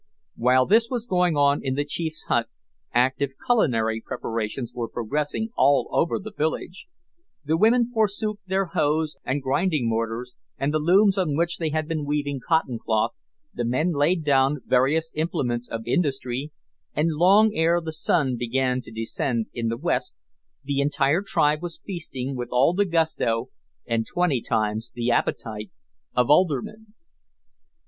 While this was going on in the chief's hut, active culinary preparations were progressing all over the village the women forsook their hoes and grinding mortars, and the looms on which they had been weaving cotton cloth, the men laid down various implements of industry, and, long ere the sun began to descend in the west, the entire tribe was feasting with all the gusto, and twenty times the appetite, of aldermen.